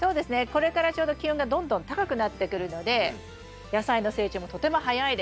これからちょうど気温がどんどん高くなってくるので野菜の成長もとても早いです。